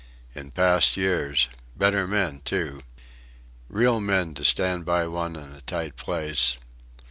In past years. Better men, too. Real men to stand by one in a tight place.